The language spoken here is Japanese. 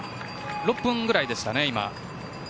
６分ぐらいですかね。